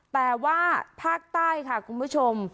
แต่ว่าภาคใต้ค่ะคุณผู้ชม